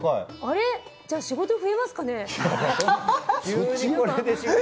じゃあ、仕事増えますかね？